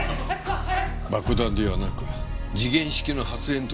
爆弾ではなく時限式の発炎筒だった。